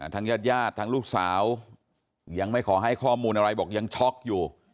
ญาติญาติทั้งลูกสาวยังไม่ขอให้ข้อมูลอะไรบอกยังช็อกอยู่